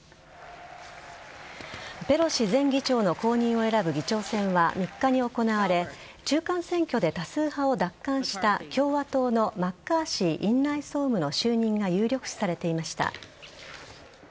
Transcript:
ペロシ前議長の後任を選ぶ議長選は３日に行われ中間選挙で多数派を奪還した共和党のマッカーシー院内総務の就任が有力視されていました。